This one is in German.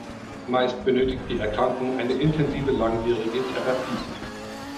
Meist benötigt die Erkrankung eine intensive langwierige Therapie.